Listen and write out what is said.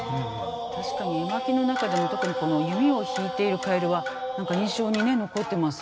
確かに絵巻の中でも特にこの弓を引いている蛙は何か印象にね残ってます。